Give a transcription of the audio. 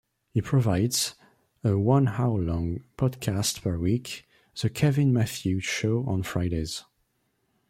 He provides a one hour-long podcast per week: The Kevin Matthew's Show on Fridays.